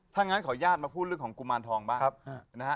ถ้างั้นขออนุญาตมาพูดเรื่องของกุมารทองบ้างนะฮะ